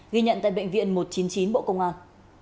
ghi nhận tại bệnh viện một trăm chín mươi chín bộ công an